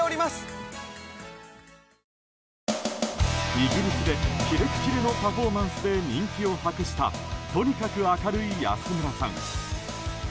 イギリスでキレッキレのパフォーマンスで人気を博したとにかく明るい安村さん。